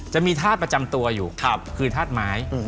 จะมีธาตุประจำตัวอยู่คือธาตุไม้